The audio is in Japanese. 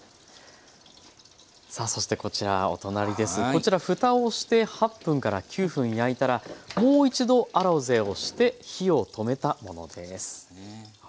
こちらふたをして８分から９分焼いたらもう一度アロゼをして火を止めたものです。